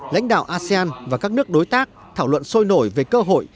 lãnh đạo asean và các nước đối tác thảo luận sôi nổi về cơ hội